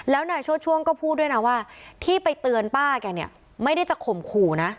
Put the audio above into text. แล้วนายโชชช่วงก็พูดด้วยนะว่าที่ไปเตือนป้าแกเนี่ยไม่ได้จะข่มขู่นะ